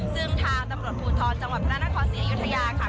ซึ่งทางตำรวจผูทธรจังหวัดพนักษณะศาสตร์เสียอยุธยาค่ะ